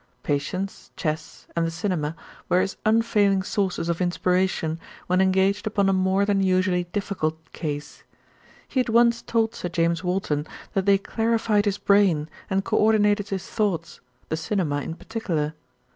Patience, chess, and the cinema were his unfailing sources of inspiration when engaged upon a more than usually difficult case. He had once told Sir James Walton that they clarified his brain and coordinated his thoughts, the cinema in particular.